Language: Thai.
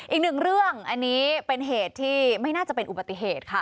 อีกหนึ่งเรื่องอันนี้เป็นเหตุที่ไม่น่าจะเป็นอุบัติเหตุค่ะ